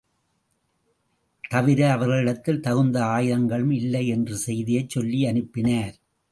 தவிர, அவர்களிடத்தில் தகுந்த ஆயுதங்களும் இல்லை என்ற செய்தியைச் சொல்லி அனுப்பினார்.